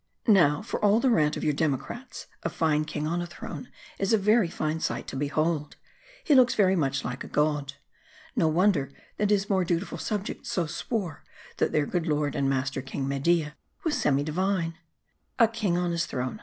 Now, for all the rant of your democrats, a fine king on a throne is a very fine sight to behold. He looks very much like a god. No wonder that his more dutiful sub jects so swore, that their good lord and master King Media was demi divine. 216 MARDI. A king on his throne